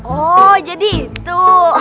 oh jadi itu